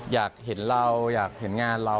อยากเห็นเราอยากเห็นงานเรา